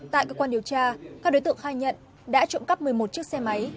tại cơ quan điều tra các đối tượng khai nhận đã trộm cắp một mươi một chiếc xe máy